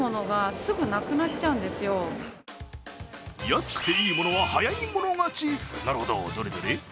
安くていいものは早い者勝ち、なるほど、どれどれ。